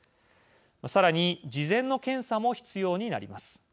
さらに、事前の検査も必要になります。